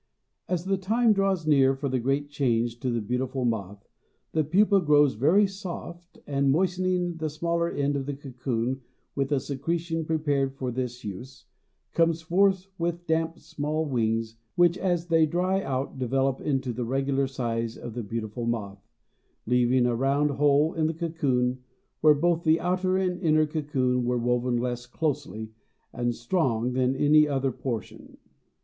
As the time draws near for the great change to the beautiful moth, the pupa grows very soft and, moistening the smaller end of the cocoon with a secretion prepared for this use, comes forth with damp, small wings, which as they dry out develop into the regular size of the beautiful moth, leaving a round hole in the cocoon where both the outer and inner cocoon were woven less closely and strong than any other portion.